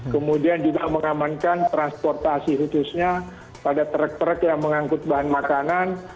kemudian juga mengamankan transportasi khususnya pada truk truk yang mengangkut bahan makanan